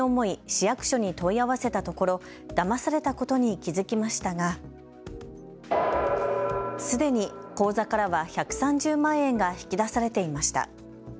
市役所に問い合わせたところだまされたことに気付きましたがすでに口座からは１３０万円が引き出されていました。